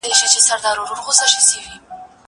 زه کولای سم ښوونځی ته ولاړ سم.